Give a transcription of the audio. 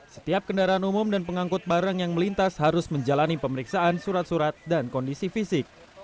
setiap kendaraan umum dan pengangkut barang yang melintas harus menjalani pemeriksaan surat surat dan kondisi fisik